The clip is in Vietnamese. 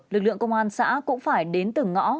lực lượng công an xã cũng phải đến từng ngõ